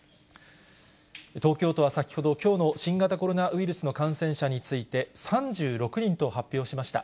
東京都は先ほど、きょうの新型コロナウイルスの感染者について、３６人と発表しました。